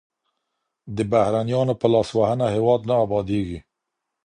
د بهرنیانو په لاسوهنه هېواد نه ابادېږي.